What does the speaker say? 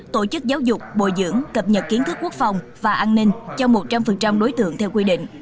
tổ chức giáo dục bồi dưỡng cập nhật kiến thức quốc phòng và an ninh cho một trăm linh đối tượng theo quy định